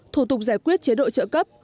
thủ tục giải quyết chế độ trợ cấp